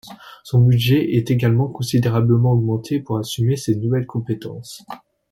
Son budget est également considérablement augmenté pour assumer ces nouvelles compétences.